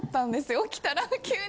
起きたら急に。